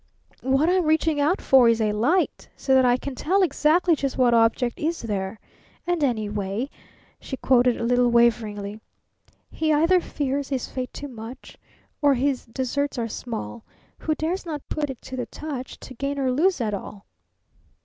What I'm reaching out for is a light, so that I can tell exactly just what object is there. And, anyway," she quoted a little waveringly: "He either fears his fate too much, Or his, deserts are small, Who dares not put it to the touch To gain or lose it all!"